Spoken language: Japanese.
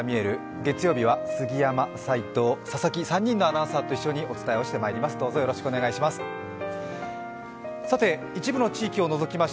月曜日は杉山、齋藤、佐々木と３人のアナウンサーでお伝えしていきます。